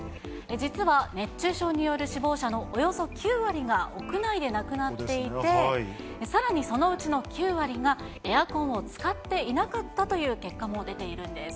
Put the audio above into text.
実は熱中症による死亡者のおよそ９割が屋内で亡くなっていて、さらにそのうちの９割が、エアコンを使っていなかったという結果も出ているんです。